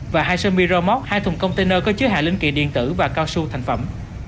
và hai xe miramod hai thùng container có chứa hàng linh kỳ điện tử và cao su thành phẩm